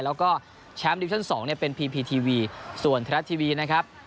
แล้วก็แชมป์ดิวิชั่นสองเนี่ยเป็นพีพีทีวีส่วนทรัฐทีวีนะครับ